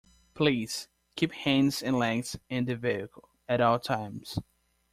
Please keep hands and legs in the vehicle at all times.